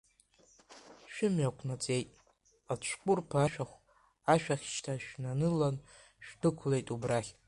Шәымҩа қәнаҵеит ацәқәырԥ ашәах, ашәахшьҭа шәнанылан шәдәықәлеит убрахь.